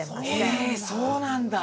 へえそうなんだ。